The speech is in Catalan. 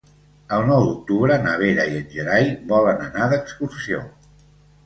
El nou d'octubre na Vera i en Gerai volen anar d'excursió.